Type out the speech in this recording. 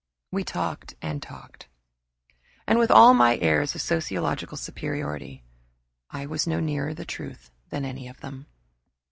We talked and talked. And with all my airs of sociological superiority I was no nearer than any of them.